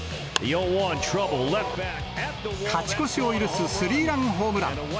勝ち越しを許すスリーランホームラン。